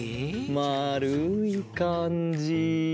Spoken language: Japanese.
まるいかんじ。